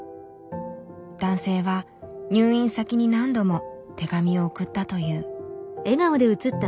男性は入院先に何度も手紙を送ったという。